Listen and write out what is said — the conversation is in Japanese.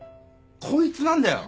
こいつなんだよ。